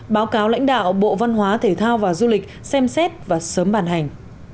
báo cáo lãnh đạo bộ văn hóa thể thao và du lịch xem xét và sớm bàn hành